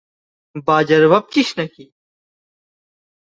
বাজার ভাবছিস নাকি?